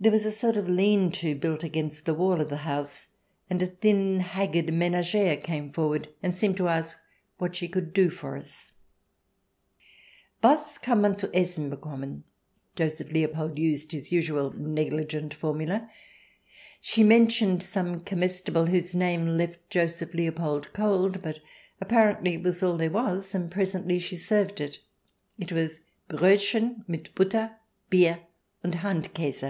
There was a sort of lean to built against the wall of the house, and a thin, haggard menagere came forward and seemed to ask what she could do for us. "Was kann mann zu essen bekommen?" — Joseph Leopold used his usual negligent formula. She mentioned some comestible whose name left Joseph Leopold cold, but apparently it was all there was, and presently she served it. It was " Brodchen mit Butter, Bier, und Handkase."